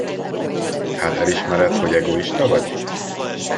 Hát elismered, hogy egoista vagy?